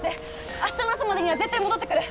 明日の朝までには絶対戻ってくる！